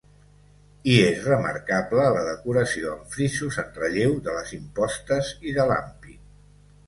Hi és remarcable la decoració amb frisos en relleu de les impostes i de l'ampit.